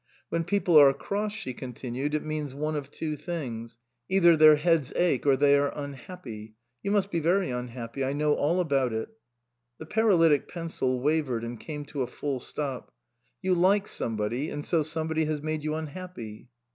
When people are cross," she continued, " it means one of two things. Either their heads ache or they are unhappy. You must be very unhappy. I know all about it." The paralytic pencil wavered and came to a full stop. " You like somebody, and so somebody has made you unhappy."